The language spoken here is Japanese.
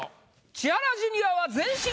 千原ジュニアは。